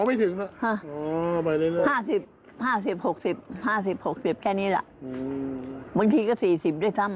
ไม่ถึงอะค่ะห้า๕๐๖๐แค่นี้แหละบางทีก็๔๐ได้ซ้ำ